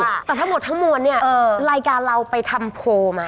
แต่ทั้งหมดทั้งมวลเนี่ยรายการเราไปทำโพลมา